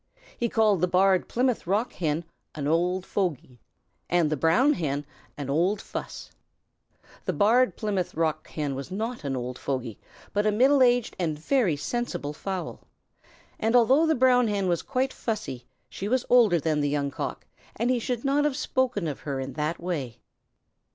He called the Barred Plymouth Rock Hen "an old fogy," and the Brown Hen "an old fuss." The Barred Plymouth Rock Hen was not an old fogy, but a middle aged and very sensible fowl, and although the Brown Hen was quite fussy, she was older than the Young Cock, and he should not have spoken of her in that way.